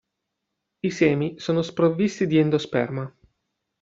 I semi sono sprovvisti di endosperma.